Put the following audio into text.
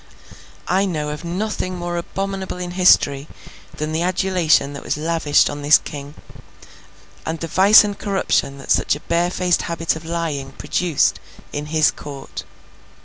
I know of nothing more abominable in history than the adulation that was lavished on this King, and the vice and corruption that such a barefaced habit of lying produced in his court.